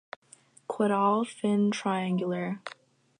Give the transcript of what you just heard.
Caudal fin triangular.